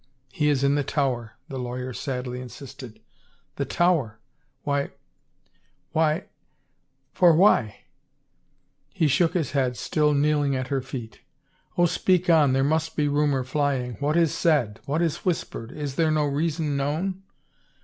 " He is in the Tower," the lawyer sadly insisted. " The Tower ? Why — why — for why ?" He shook his head, still kneeling at her feet. Oh, speak on. There must be rumor flying. What is said — what is whispered? Is there no reason known?"